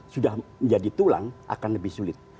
sudah menjadi tulang akan lebih sulit